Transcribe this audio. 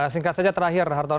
singkat saja terakhir